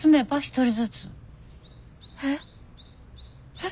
えっ！？